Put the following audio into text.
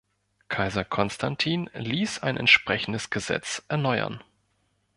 Kaiser Konstantin ließ ein entsprechendes Gesetz erneuern.